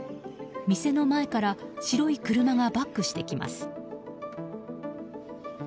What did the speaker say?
店の前から白い車がバックしてきます。